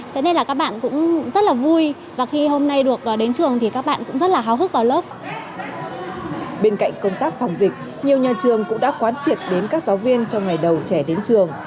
bên cạnh công tác phòng dịch nhiều nhà trường cũng đã quán triệt đến các giáo viên trong ngày đầu trẻ đến trường